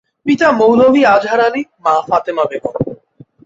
পিতা মৌলভী আজহার আলী, মা ফাতেমা বেগম।